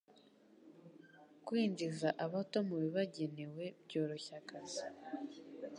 kwinjiza abato mu bibagenewe byoroshya akazi